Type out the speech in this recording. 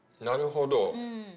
なるほど。